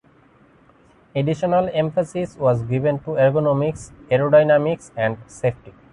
Additional emphasis was given to ergonomics, aerodynamics, and safety.